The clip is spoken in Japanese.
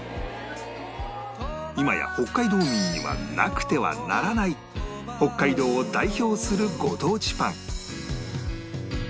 今や北海道民にはなくてはならない北海道を代表するご当地パン